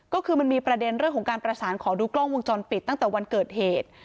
ก็คือมันมีประเด็นเรื่องของการประสานขอดูกล้องวงจรปิดตั้งแต่วันเกิดเหตุ